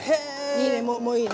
いいねもういいね。